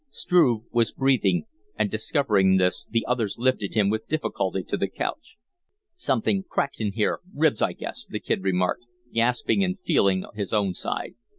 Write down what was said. Struve was breathing, and, discovering this, the others lifted him with difficulty to the couch. "Something cracked in here ribs, I guess," the Kid remarked, gasping and feeling his own side.